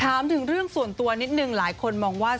ถามถึงเรื่องส่วนตัวนิดนึงหลายคนมองว่า